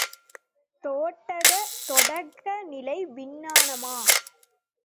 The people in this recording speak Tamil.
தொடக்க நிலை விஞ்ஞானமா?